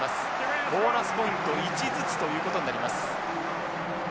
ボーナスポイント１ずつということになります。